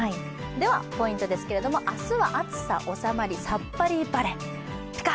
ポイントですけれども、明日は暑さおさまり、サッパリ晴れ。